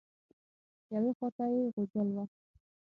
یوې خوا ته یې غوجل وه.